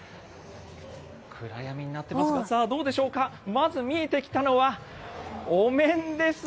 暗闇になってますが、さあどうでしょうか、まず見えてきたのは、お面です。